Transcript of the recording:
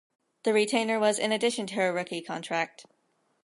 The retainer was in addition to her rookie contract.